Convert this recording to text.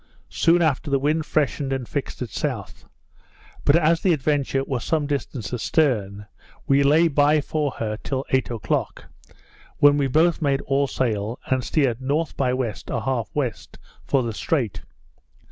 Soon after the wind freshened and fixed at south; but as the Adventure was some distance a stern, we lay by for her till eight o'clock, when we both made all sail, and steered N. by W. 1/2 W. for the Strait.